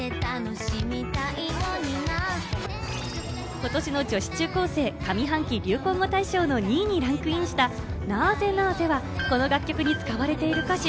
ことしの女子中高生上半期流行語大賞の２位にランクインした、「なぁぜなぁぜ」はこの楽曲に使われている歌詞。